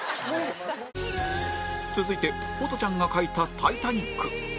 続いてホトちゃんが描いた「タイタニック」